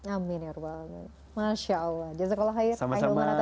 amin ya ruba'alamin